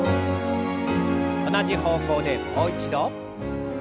同じ方向でもう一度。